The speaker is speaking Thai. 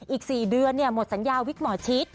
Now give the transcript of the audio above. อีก๔เดือนหมดสัญญาวิกหมอชิด